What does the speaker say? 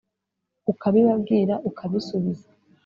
Ukabibabwira ukabisubiza